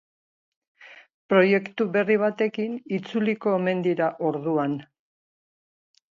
Proiektu berri batekin itzuliko omen dira orduan.